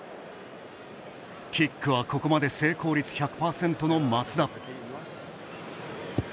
キックはここまで成功率１００％の松田。